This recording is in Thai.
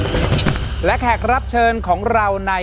แล้วก็ต้องบอกคุณผู้ชมนั้นจะได้ฟังในการรับชมด้วยนะครับเป็นความเชื่อส่วนบุคคล